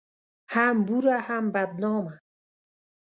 هم بوره ، هم بدنامه